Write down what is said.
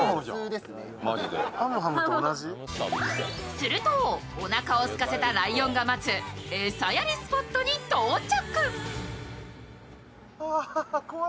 すると、おなかをすかせたライオンが待つ餌やりスポットに到着。